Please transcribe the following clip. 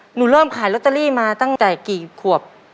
หนูเริ่มขายลอตเตอรี่มาตั้งแต่กี่ขวบ